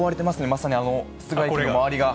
まさにあの室外機の周りが。